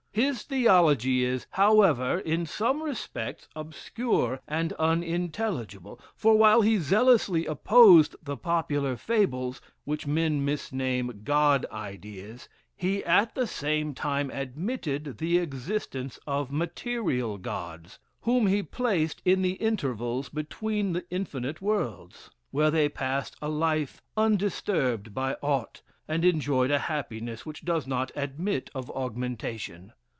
His theology is, however, in some respects, obscure, and unintelligible; for while he zealously opposed the popular fables, which men misname God ideas, he at the same time admitted the existence of material gods, whom he placed in the intervals between the infinite worlds, where they passed a life undisturbed by aught, and enjoyed a happiness which does not admit of augmentation.